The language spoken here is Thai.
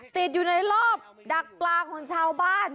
ติดอยู่ในรอบดักปลาของชาวบ้าน